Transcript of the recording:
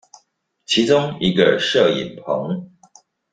其中一個攝影棚